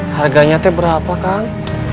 harganya teh berapa kang